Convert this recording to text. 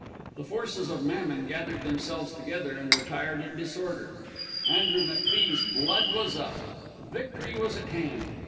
The forces of Mammon gathered themselves together and retired in disorder. Andrew McFie's blood was up. Victory was at hand.